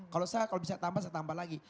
kalau sah kalau bisa tambah saya tambah lagi